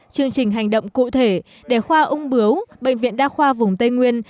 chương trình hành động cụ thể để khoa ung bướu bệnh viện đa khoa vùng tây nguyên